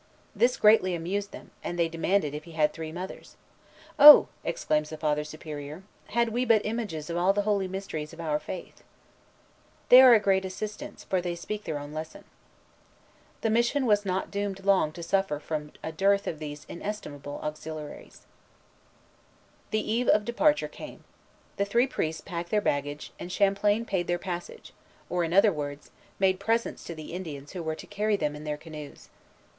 This greatly amused them, and they demanded if he had three mothers. "Oh!" exclaims the Father Superior, "had we but images of all the holy mysteries of our faith! They are a great assistance, for they speak their own lesson." The mission was not doomed long to suffer from a dearth of these inestimable auxiliaries. Relation, 1633, 38. The eve of departure came. The three priests packed their baggage, and Champlain paid their passage, or, in other words, made presents to the Indians who were to carry them in their canoes.